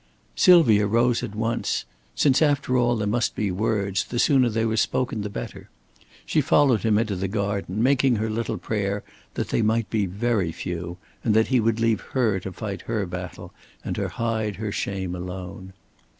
Sylvia rose at once. Since after all there must be words, the sooner they were spoken the better. She followed him into the garden, making her little prayer that they might be very few, and that he would leave her to fight her battle and to hide her shame alone.